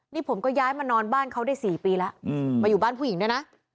นี่ผมก็ย้ายมานอนบ้านเขาได้๔ปีแล้วมาอยู่บ้านผู้หญิงด้วยนะ